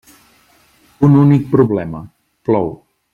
Un únic problema: plou.